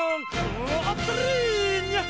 あったりニャ！